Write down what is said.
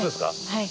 はい。